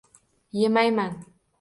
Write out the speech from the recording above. Yemayman!